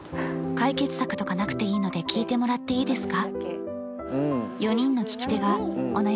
『解決策とかなくていいので聞いてもらっていいですか？』